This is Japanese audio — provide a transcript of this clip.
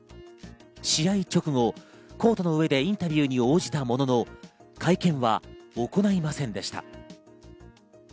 試合直後、コートの上でインタビューに応じたものの、会見は行いませんでした。